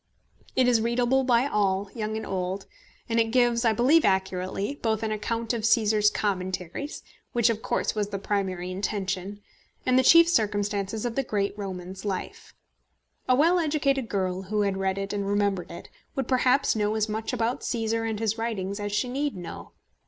It is readable by all, old and young, and it gives, I believe accurately, both an account of Cæsar's Commentaries, which of course was the primary intention, and the chief circumstances of the great Roman's life. A well educated girl who had read it and remembered it would perhaps know as much about Cæsar and his writings as she need know.